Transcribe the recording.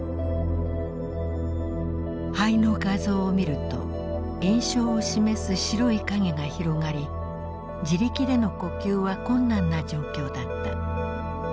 肺の画像を見ると炎症を示す白い影が広がり自力での呼吸は困難な状況だった。